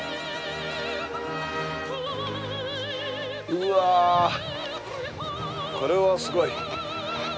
うわこれはすごい。